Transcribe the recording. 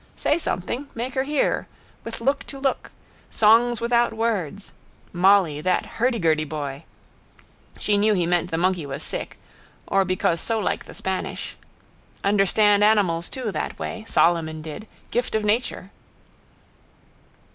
Say something. Make her hear. With look to look. Songs without words. Molly, that hurdygurdy boy. She knew he meant the monkey was sick. Or because so like the Spanish. Understand animals too that way. Solomon did. Gift of nature.